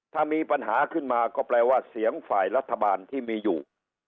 ถ้ามีปัญหาขึ้นมาก็แปลว่าเสียงฝ่ายรัฐบาลที่มีอยู่